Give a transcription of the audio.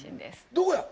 どこや？